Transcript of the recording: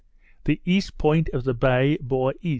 The east point of the bay bore E.